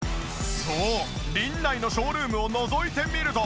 そうリンナイのショールームをのぞいてみると。